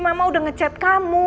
mama udah ngechat kamu